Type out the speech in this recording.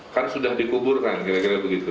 kan sudah dikuburkan kira kira begitu